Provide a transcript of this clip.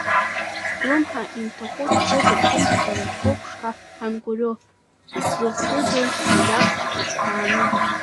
Блымҳа инҭахәыҭ-хәыҭп ҭынч бара бгәы ԥшқа ангәырҩо, сзыхӡыӡоз ажәак сыҿԥааны.